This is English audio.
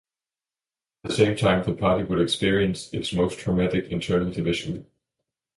At the same time the party would experience its most traumatic internal division.